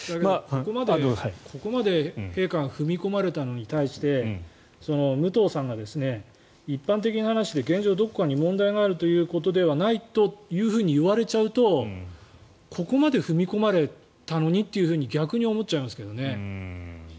ここまで陛下が踏み込まれたのに対して武藤さんが一般的な話で現状、どこかに問題があるわけじゃないというふうに言われちゃうとここまで踏み込まれたのにと逆に思っちゃいますけどね。